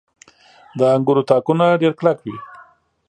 • د انګورو تاکونه ډېر کلک وي.